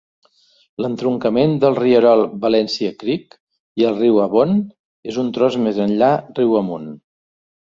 L'entroncament del rierol Valencia Creek i el riu Avon és un tros més enllà riu amunt.